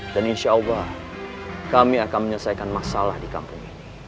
dan insya allah kami akan menyelesaikan masalah di kampung ini